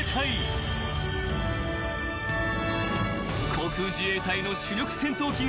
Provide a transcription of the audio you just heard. ［航空自衛隊の主力戦闘機が］